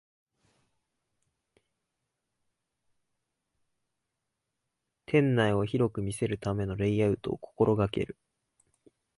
店内を広く見せるためのレイアウトを心がける